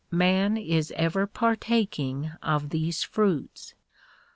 Man is ever par taking of these fruits.